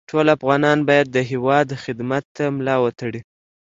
ټول افغانان باید د هېواد خدمت ته ملا وتړي